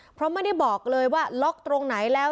เพราะไม่ได้บอกเลยว่าล็อกตรงไหนแล้ว